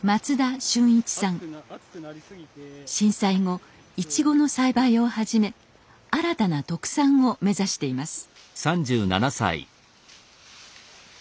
震災後いちごの栽培を始め新たな特産を目指しています。